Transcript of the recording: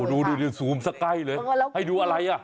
ดูดิซูมสักใกล้เลยให้ดูอะไรอ่ะ